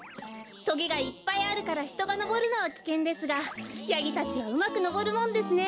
とげがいっぱいあるからひとがのぼるのはきけんですがヤギたちはうまくのぼるもんですね。